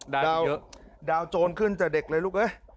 ได้เยอะเดาโจลขึ้นจากเด็กเลยลึกอะ